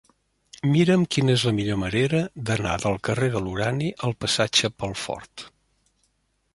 Mira'm quina és la millor manera d'anar del carrer de l'Urani al passatge Pelfort.